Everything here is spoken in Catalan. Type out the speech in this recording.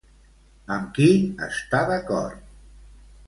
Amb qui està d'acord?